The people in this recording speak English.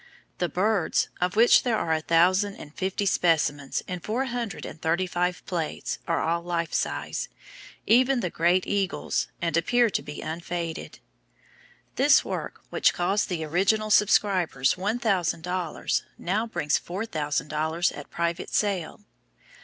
The birds, of which there are a thousand and fifty five specimens in four hundred and thirty five plates, are all life size, even the great eagles, and appear to be unfaded. This work, which cost the original subscribers one thousand dollars, now brings four thousand dollars at private sale.